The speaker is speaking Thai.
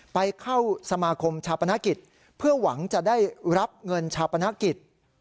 ไปเข้าสมาคมชาปนกิจเพื่อหวังจะได้รับเงินชาปนกิจ